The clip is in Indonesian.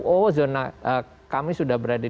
oh kami sudah berada